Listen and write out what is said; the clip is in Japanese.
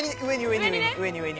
上に上に。